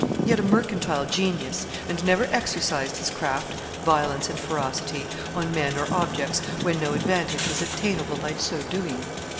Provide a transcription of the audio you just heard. He had a mercantile genius, and never exercised his craft, violence and ferocity, on men or objects, when no advantage was obtainable by so doing.